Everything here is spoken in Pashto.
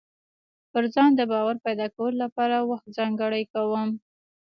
پر ځان د باور پيدا کولو لپاره وخت ځانګړی کوم.